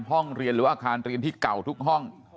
ห้องเรียนหรือว่าอาคารเรียนที่เก่าทุกห้อง